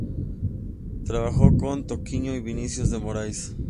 Trabajó con Toquinho y Vinícius de Moraes.